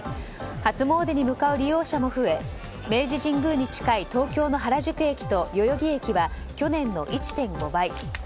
初詣に向かう利用者も増え明治神宮に近い東京の原宿駅と代々木駅は去年の１．５倍。